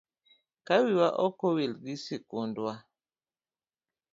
Ka wiwa ok owil gi skundwa.